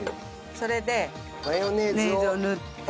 それでマヨネーズを塗って。